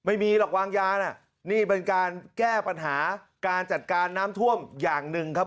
ไม่มีหรอกวางยาน่ะนี่เป็นการแก้ปัญหาการจัดการน้ำท่วมอย่างหนึ่งครับ